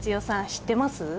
知ってます？